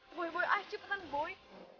boleh boleh ayo cepetan boy